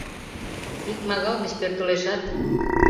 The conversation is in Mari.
Икмагал гыч пӧртылешат.